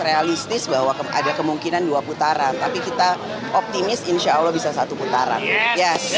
realistis bahwa ada kemungkinan dua putaran tapi kita optimis insya allah bisa satu putaran ya saya